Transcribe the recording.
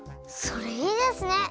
それいいですね！